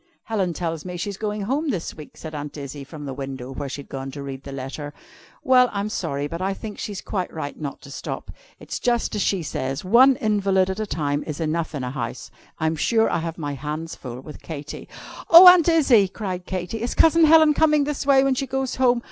"Helen tells me she's going home this week," said Aunt Izzie, from the window, where she had gone to read the letter. "Well, I'm sorry, but I think she's quite right not to stop. It's just as she says: one invalid at a time is enough in a house. I'm sure I have my hands full with Katy." "Oh, Aunt Izzie!" cried Katy, "is Cousin Helen coming this way when she goes home?